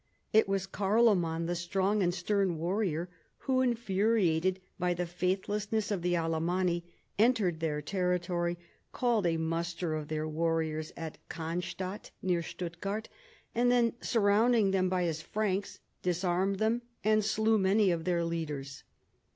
It was Carloman the strong and stern warrior, who, infuriated by the faithless ness of the Alamanni, entered their territory, called a muster of their warriors at Cannstadt (near Stutt gart), and then surrounding them by his Franks, disarmed them, and slew many of their leaders.